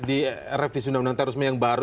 di revisi undang undang terorisme yang baru